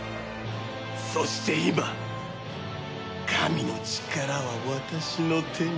そして今神の力は私の手に。